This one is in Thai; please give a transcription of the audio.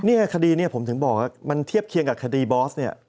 นี่ค่ะคดีนี่ผมถึงบอกมันเทียบเคียงกับคดีบอสนี่